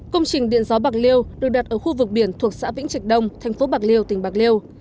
công trình điện gió bạc liêu được đặt ở khu vực biển thuộc xã vĩnh trạch đông thành phố bạc liêu tỉnh bạc liêu